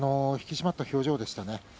引き締まった表情でした。